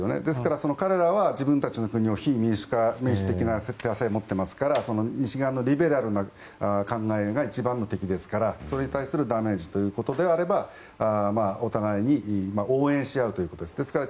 ですから、彼らは自分たちの国で非民主的な体制を持っていますから西側のリベラルな考えが一番の敵ですからそれに対するダメージということであればお互いに応援し合ういうことです。